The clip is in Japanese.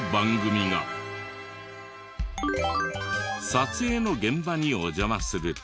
撮影の現場にお邪魔すると。